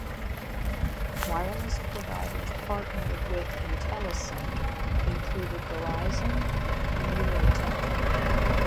Wireless providers partnered with Intellisync included Verizon and Eurotel.